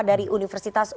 dari universitas udara